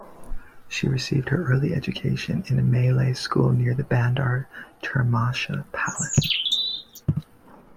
She received her early education in a Malay School near the Bandar Termasha Palace.